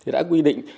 đã quy định